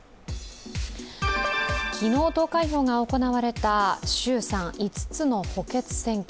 昨日、投開票が行われた衆参５つの補欠選挙。